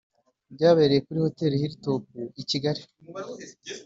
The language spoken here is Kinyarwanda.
byabereye muri Hotel Hill Top i Kigali